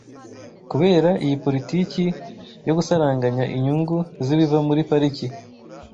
Kubera iyi poritiki yo gusaranganya inyungu z’ibiva muri pariki